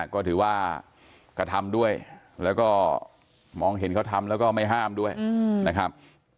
ก็ถือว่ากระทำด้วยแล้วก็มองเห็นเขาทำแล้วก็ไม่ห้ามด้วยนะครับ